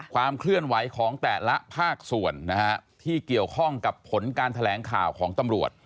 ความเคลื่อนไหวของแต่ละภาคส่วนนะฮะที่เกี่ยวข้องกับผลการแถลงข่าวของตำรวจ